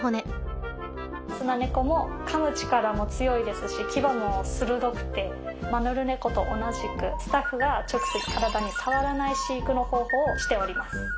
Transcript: スナネコもかむ力も強いですし牙も鋭くてマヌルネコと同じくスタッフが直接体に触らない飼育の方法をしております。